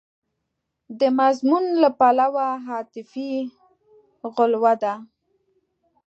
د مضمون له پلوه عاطفي غلوه ده.